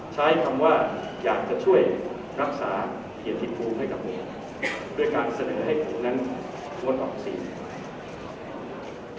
ใช้คำว่าอยากจะช่วยรักษาเกียรติภูมิให้กับผมโดยการเสนอให้ผมนั้นงดออกเสียง